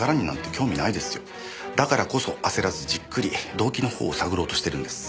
だからこそ焦らずじっくり動機の方を探ろうとしてるんです。